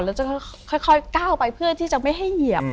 แล้วจะค่อยก้าวไปเพื่อที่จะไม่ให้เหยียบ